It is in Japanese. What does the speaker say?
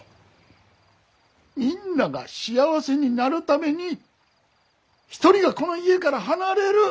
みんなが幸せになるために１人がこの家から離れる。